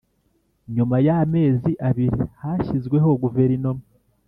nyuma y'amezi abiri hashyizweho guverinoma